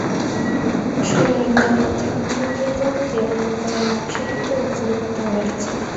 সোনার দাম অতিমাত্রায় বেড়ে যাওয়াতে, অলঙ্কারের নকশা-রূপেরও পরিবর্তন ঘটেছে।